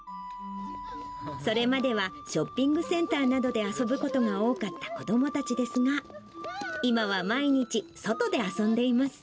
それまではショッピングセンターなどで遊ぶことが多かった子どもたちですが、今は毎日、外で遊んでいます。